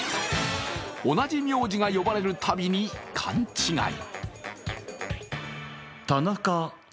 同じ名字が呼ばれるたびに勘違い。